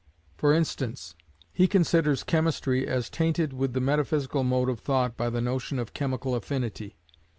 For instance, he considers chemistry as tainted with the metaphysical mode of thought by the notion of chemical affinity.